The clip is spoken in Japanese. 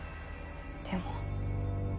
でも。